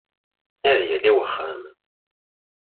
Ad yali wexxam!